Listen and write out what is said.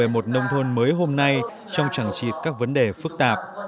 một nông thôn mới hôm nay trong trẳng trị các vấn đề phức tạp